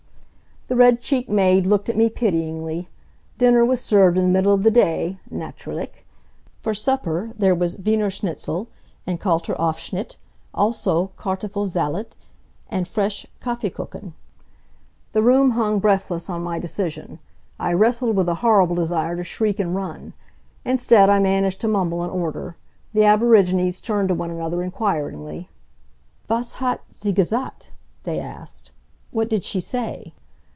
The red cheeked maid looked at me pityingly. Dinner was served in the middle of the day, naturlich. For supper there was Wienerschnitzel, and kalter Aufschnitt, also Kartoffel Salat, and fresh Kaffeekuchen. The room hung breathless on my decision. I wrestled with a horrible desire to shriek and run. Instead I managed to mumble an order. The aborigines turned to one another inquiringly. "Was hat sie gesagt?" they asked. "What did she say?"